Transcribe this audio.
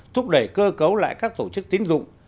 thúc đẩy cơ cấu lại các tổ chức tín dụng